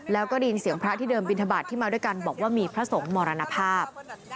แล้วก็ได้ยินเสียงพระที่เดินบินทบาทที่มาด้วยกันบอกว่ามีพระสงฆ์มรณภาพ